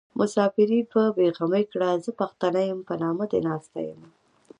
مساپري په بې غمي کړه زه پښتنه يم په نامه دې ناسته يمه